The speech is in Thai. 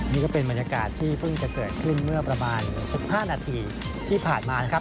นี่ก็เป็นบรรยากาศที่เพิ่งจะเกิดขึ้นเมื่อประมาณ๑๕นาทีที่ผ่านมานะครับ